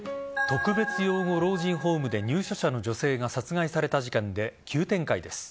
特別養護老人ホームで入所者の女性が殺害された事件で急展開です。